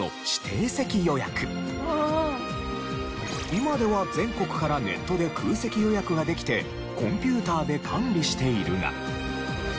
今では全国からネットで空席予約ができてコンピューターで管理しているが。